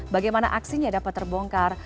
bagaimana aksinya dapat terbongkar